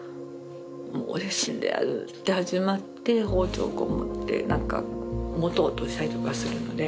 もう俺死んでやるって始まって包丁こう持って何か持とうとしたりとかするので。